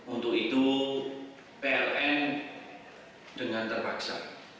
untuk itu pln dengan terpaksa